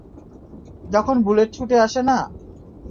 যখন বুলেট ছুটে আসে না?